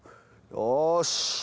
よし。